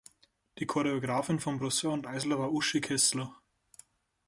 Die Choreografin von Brasseur und Eisler war Uschi Keszler.